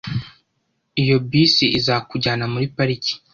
Iyo bisi izakujyana muri pariki.